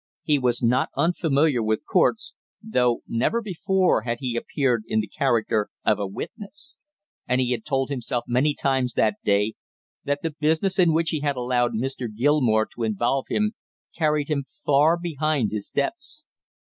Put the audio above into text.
He was not unfamiliar with courts, though never before had he appeared in the character of a witness; and he had told himself many times that day that the business in which he had allowed Mr. Gilmore to involve him carried him far behind his depths.